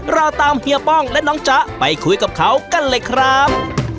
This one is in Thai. เราตามเฮียป้องและน้องจ๊ะไปคุยกับเขากันเลยครับ